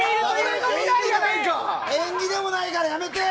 縁起でもないから、やめて！